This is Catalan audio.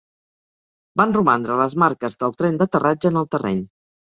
Van romandre les marques del tren d'aterratge en el terreny.